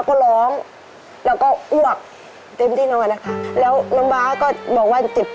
โปรดติดตามต่อไป